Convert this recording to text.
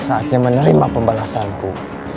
saatnya menerima pembalasanku